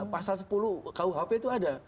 pasal sepuluh kuhp itu ada